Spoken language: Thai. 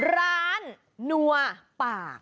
ร้านนัวปาก